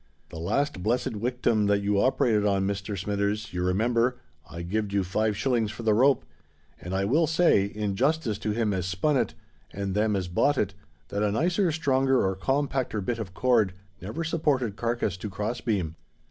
"The last blessed wictim that you operated on, Mr. Smithers, you remember, I gived you five shillings for the rope; and I will say, in justice to him as spun it and them as bought it, that a nicer, stronger, or compacter bit of cord never supported carkiss to cross beam.